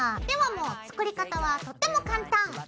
ではもう作り方はとても簡単。